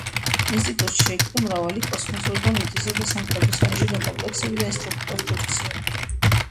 ინსტიტუტში შეიქმნა მრავალი კოსმოსური და მიწისზედა სამხედრო-საინჟინრო კომპლექსები და კონსტრუქციები.